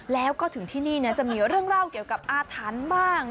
แล้วก็ถึงที่นี่จะมีเรื่องเล่าเกี่ยวกับอาถรรพ์บ้าง